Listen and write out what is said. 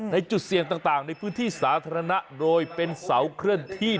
ในจุดเสี่ยงต่างในพื้นที่สาธารณะโดยเป็นเสาเคลื่อนที่